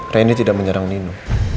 randy tidak menyerang nino